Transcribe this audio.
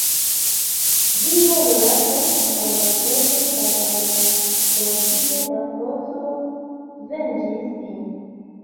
Vi volis servi al la prozo kaj al la poezio; la prozo venĝis sin.